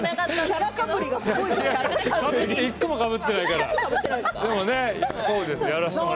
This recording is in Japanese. １個もかぶってないから。